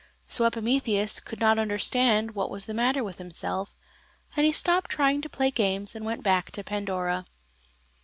So Epimetheus could not understand what was the matter with himself, and he stopped trying to play games and went back to Pandora.